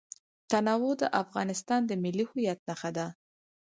تنوع د افغانستان د ملي هویت نښه ده.